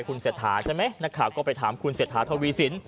คุณเศรษฐาใช่ไหมนักข่าวก็ไปถามคุณเศรษฐาทวีสิน